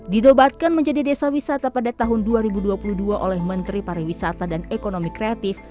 didobatkan menjadi desa wisata pada tahun dua ribu dua puluh dua oleh menteri pariwisata dan ekonomi kreatif